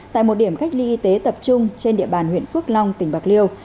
tại một điểm cách ly y tế tập trung trên địa bàn huyện phước long tỉnh bạc liêu